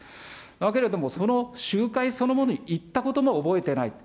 だけれどもその集会そのものに行ったことも覚えてない。